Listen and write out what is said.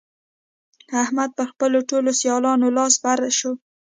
احمد پر خپلو ټولو سيالانو لاس بر شو.